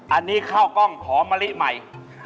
อันนี้ข้าวกล้องหอมมะลิใหม่